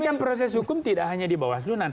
tapi kan proses hukum tidak hanya di bawaslu